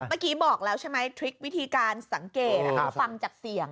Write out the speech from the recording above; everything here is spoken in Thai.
เมื่อกี้บอกแล้วใช่ไหมทริควิธีการสังเกตคือฟังจากเสียง